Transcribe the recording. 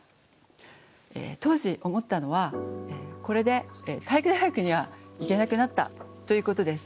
当時思ったのはこれで体育大学には行けなくなったということです。